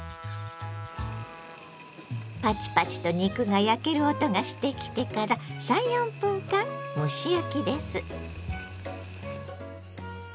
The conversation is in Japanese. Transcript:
パチパチと肉が焼ける音がしてきてから３４分間蒸し焼きです。